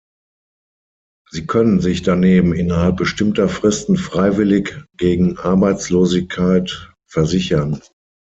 Sie können sich daneben innerhalb bestimmter Fristen freiwillig gegen Arbeitslosigkeit versichern.